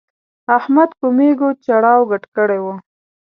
احمد په مېږو چړاو ګډ کړی وو.